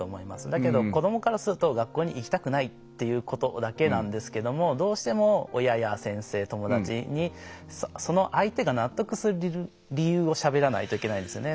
だけど、子供からすると学校に行きたくないっていうことだけなんですけどどうしても親や先生友達に、その相手が納得する理由をしゃべらないといけないんですよね。